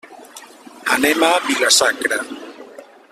Anem a Vila-sacra.